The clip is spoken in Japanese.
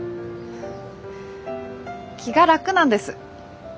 気が楽なんです。